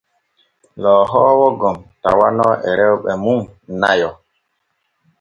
Loohoowo gom tawano e rewɓe mum nayo.